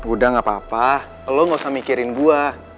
udah gak apa apa lo gak usah mikirin buah